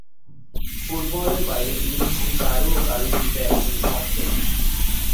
ফুটবলের বাইরে, তিনি হচ্ছেন চারু ও কারুশিল্পের একজন ভক্ত।